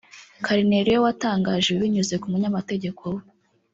Carneiro watangaje ibi binyuze ku munyamategeko we